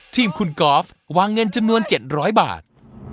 ทีมคุณกอล์ฟวางเงินจำนวน๗๐๐บาท